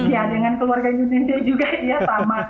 ya dengan keluarga indonesia juga ya sama